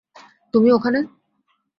তুমি, ওখানে।